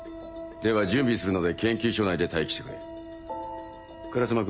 では準備するので研究所内で待機してくれ。